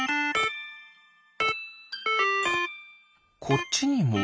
こっちにも。